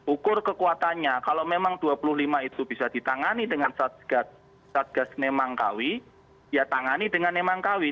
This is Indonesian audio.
ukur kekuatannya kalau memang dua puluh lima itu bisa ditangani dengan satgas nemangkawi ya tangani dengan nemangkawi